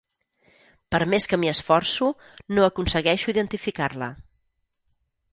Per més que m'hi esforço no aconsegueixo identificar-la.